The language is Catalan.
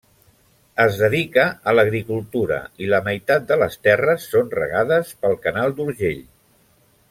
Es dedica a l'agricultura i la meitat de les terres són regades pel Canal d'Urgell.